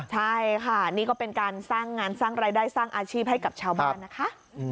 ใช่ค่ะนี่ก็เป็นการสร้างงานสร้างรายได้สร้างอาชีพให้กับชาวบ้านนะคะ